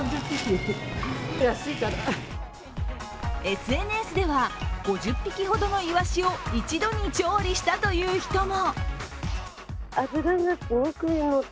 ＳＮＳでは５０匹ほどのイワシを一度に調理したという人も。